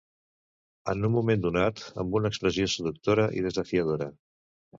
En un moment donat, amb una expressió seductora i desafiadora